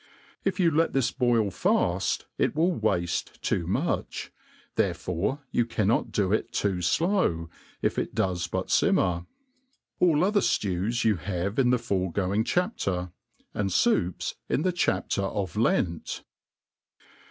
If you let this boil fad, it will wafle too much ; therefore you cannot do it too flow, if it does but fimmer. All other flrews you have in the foregoing chapter; and foups in the chapter of Lent.